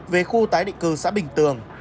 về khu tái định cư xã bình tường